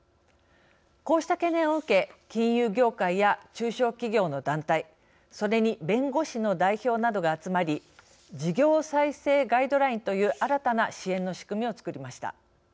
こうした懸念を受け金融業界や中小企業の団体それに弁護士の代表などが集まり事業再生ガイドラインという新たな支援の仕組みをつくりました。